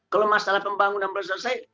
kalau masalah pembangunan belum selesai